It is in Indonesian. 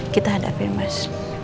kita hadapin mas